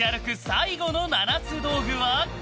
最後の７つ道具は。